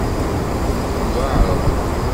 Tweɛrem.